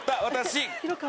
私。